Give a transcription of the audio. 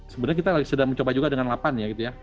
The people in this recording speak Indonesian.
sebenarnya kita sedang mencoba juga dengan lapan ya gitu ya